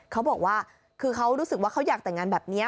เขาบอกว่าคือเขารู้สึกว่าเขาอยากแต่งงานแบบนี้